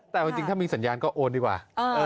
แต่ถ้ามีสัญญาก็โอนดีกว่า